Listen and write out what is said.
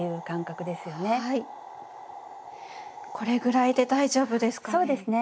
これぐらいで大丈夫ですかね？